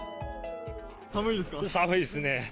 寒いですね。